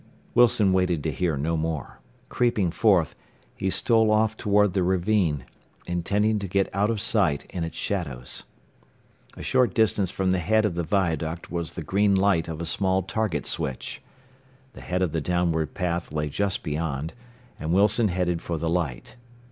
Wilson waited to hear no more. Creeping forth, he stole off toward the ravine, intending to get out of sight in its shadows. A short distance from the head of the viaduct was the green light of a small target switch. The head of the downward path lay just beyond, and Wilson headed for the light.